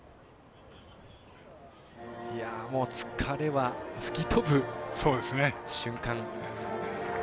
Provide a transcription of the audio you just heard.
もう疲れは吹き飛ぶ瞬間。